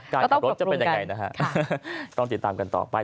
การขับรถจะเป็นยังไงนะฮะต้องติดตามกันต่อไป